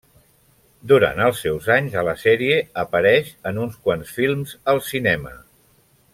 Durant els seus anys a la sèrie, apareix en uns quants films al cinema.